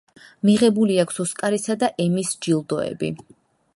მიღებული აქვს ოსკარისა და ემის ჯილდოები.